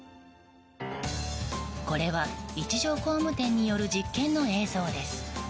これは一条工務店による実験の映像です。